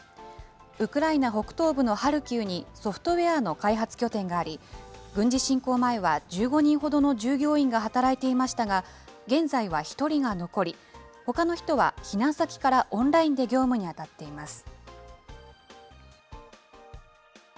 ウクライナ北東部のハルキウにソフトウエアの開発拠点があり、軍事侵攻前は１５人ほどの従業員が働いていましたが、現在は１人が残り、ほかの人は避難先からオンラインで業務に当たっています。